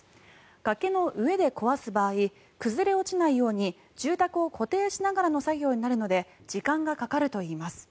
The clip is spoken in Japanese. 崖の上で壊す場合崩れ落ちないように住宅を固定しながらの作業になるので時間がかかるといいます。